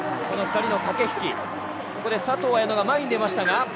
この２人の駆け引き、佐藤綾乃が前に出ました。